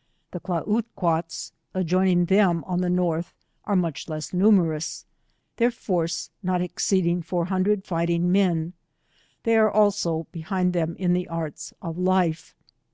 \ 93 The Kla oo quates adjoiaiug them on the NortI* are much less numerous, their force not exceeding four hundred fighting men ; they are also behind them in th« arts of life.